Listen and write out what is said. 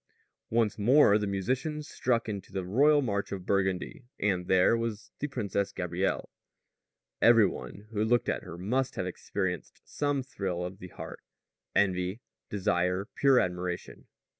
Once more the musicians struck into the royal march of Burgundy, and there was the Princess Gabrielle. Every one who looked at her must have experienced some thrill of the heart envy, desire, pure admiration.